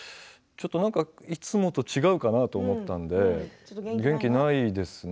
いつもと違うかなと思ったので元気ないですね？